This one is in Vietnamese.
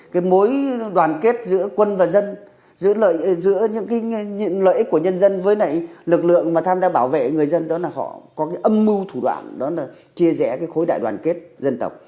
cái mối đoàn kết giữa quân và dân giữa những cái lợi ích của nhân dân với lực lượng mà tham gia bảo vệ người dân đó là họ có cái âm mưu thủ đoạn đó là chia rẽ cái khối đại đoàn kết dân tộc